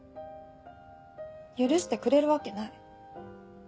許してくれるわけない。